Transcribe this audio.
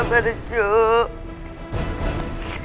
ucup jangan sabar ucup